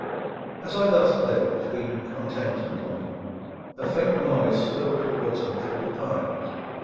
As I thus lay, between content and longing, a faint noise stole towards me through the pines.